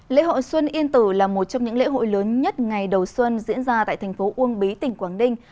lễ hội xuân yên tử là một trong những lễ hội lớn nhất ngày đầu xuân diễn ra tại thành phố uông bí tỉnh quảng ninh